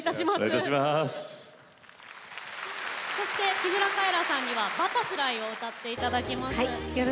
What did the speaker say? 木村カエラさんには「Ｂｕｔｔｅｒｆｌｙ」を歌っていただきます。